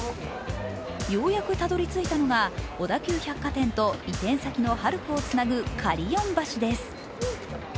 ようやくたどり着いたのが、小田急百貨店と移転先のハルクをつなぐカリヨン橋です。